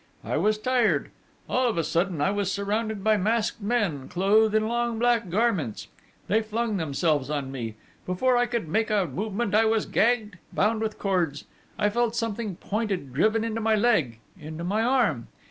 I was tired.... All of a sudden I was surrounded by masked men, clothed in long black garments: they flung themselves on me. Before I could make a movement I was gagged, bound with cords.... I felt something pointed driven into my leg into my arm....